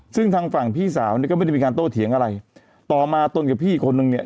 ซึ่งทางฝั่งพี่สาวเนี่ยก็ไม่ได้มีการโต้เถียงอะไรต่อมาตนกับพี่อีกคนนึงเนี่ย